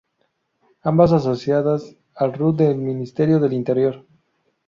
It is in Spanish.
Ambas asociadas al rut del Ministerio del Interior.